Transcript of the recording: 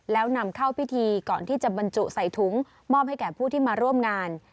แล้วนำเข้าพิธีก่อนที่จะบรรจุใส่ถุงมอบให้แก่ผู้ที่มาร่วมงาน